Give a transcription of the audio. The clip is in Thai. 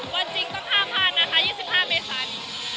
วันที่นี้ต้องท่าผ่านนะคะ๒๕เมษัน